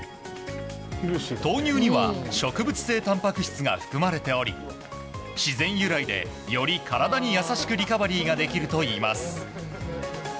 豆乳には植物性たんぱく質が含まれており自然由来で、より体に優しくリカバリーができるといいます。